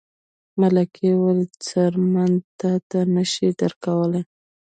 ملکې وویل څرمن تاته نه شي درکولی.